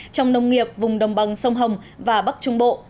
trong nông nghiệp vùng đồng bằng sông hồng và bắc trung bộ